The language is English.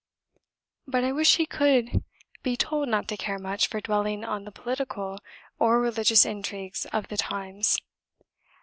But I wish he could be told not to care much for dwelling on the political or religious intrigues of the times.